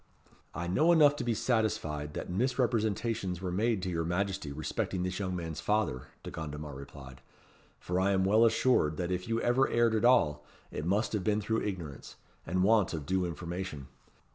"I know enough to be satisfied that misrepresentations were made to your Majesty respecting this young man's father," De Gondomar replied; "for I am well assured that if you ever erred at all, it must have been through ignorance, and want of due information.